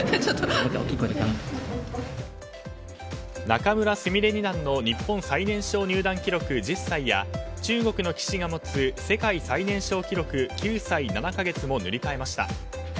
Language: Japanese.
仲邑菫二段の日本最年少入段記録１０歳や中国の棋士が持つ世界最年少記録９歳７か月も塗り替えました。